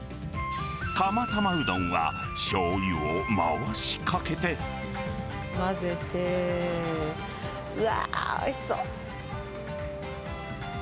釜玉うどんはしょうゆを回しかけ混ぜて、うわー、おいしそう。